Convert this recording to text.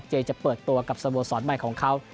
จะเปิดตัวกับสโมสรใหม่ของเขา